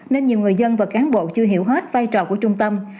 nên nhiều người dân và cán bộ chưa hiểu hết vai trò của trung tâm